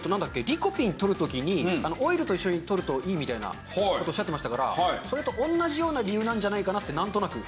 リコピンとる時にオイルと一緒にとるといいみたいな事をおっしゃってましたからそれと同じような理由なんじゃないかなってなんとなく。